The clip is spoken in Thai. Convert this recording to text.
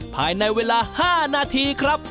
ภายในเวลา๕นาทีครับ